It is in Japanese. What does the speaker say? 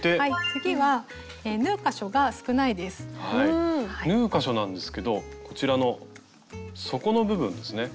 次は縫う箇所なんですけどこちらの底の部分ですね。